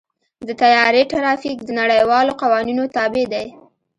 د طیارې ټرافیک د نړیوالو قوانینو تابع دی.